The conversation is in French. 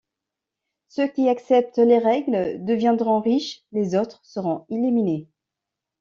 Ceux qui acceptent les règles deviendront riches, les autres seront éliminés.